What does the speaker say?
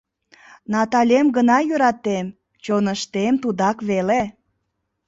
Наталем гына йӧратем, чоныштем тудак веле».